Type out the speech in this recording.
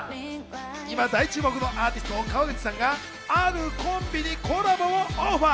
今、大注目のアーティスト・Ｋａｗａｇｕｃｈｉさんがあるコンビに、コラボをオファー。